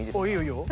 いいよ。